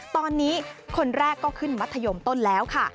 ตอนนี้คนแรกก็ขึ้นมัธยมต้นแล้วค่ะ